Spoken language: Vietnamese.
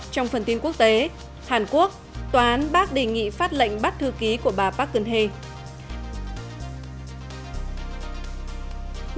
trong phần tin quốc tế hàn quốc tòa án bác đề nghị phát lệnh bắt thư ký của bà park geun hye